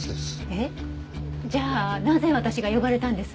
えっじゃあなぜ私が呼ばれたんです？